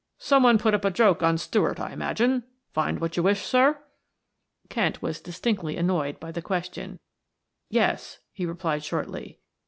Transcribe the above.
"Some one put up a joke on Stuart, I imagine. Find what you wished, sir?" Kent was distinctly annoyed by the question. "Yes," he replied shortly.